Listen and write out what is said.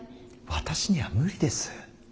私には無理です。